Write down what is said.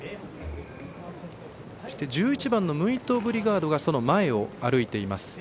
１１番ムイトオブリガードがその前を歩いています。